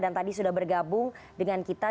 dan tadi sudah bergabung dengan kita